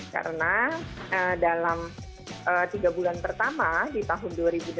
karena dalam tiga bulan pertama di tahun dua ribu delapan belas